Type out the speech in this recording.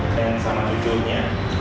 dan sama tujuhnya